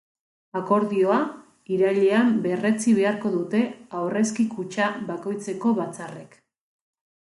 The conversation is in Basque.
Akordioa irailean berretsi beharko dute aurrezki-kutxa bakoitzeko batzarrek.